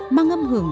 mang âm hưởng